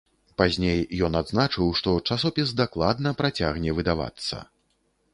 Пазней ён адзначыў, што часопіс дакладна працягне выдавацца.